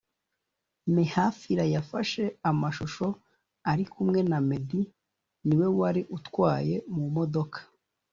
Mehfira yafashe amashusho ari kumwe na Meddy(niwe wari utwaye) mu modoka